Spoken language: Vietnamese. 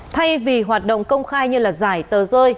thay vì hoạt động công khai như giải tờ rơi